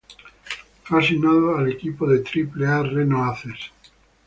Fue asignado al equipo de Triple-A, Reno Aces.